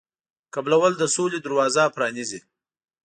قبلول د سولې دروازه پرانیزي.